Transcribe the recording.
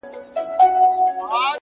پرمختګ د ثابتو اصولو ملګری دی!.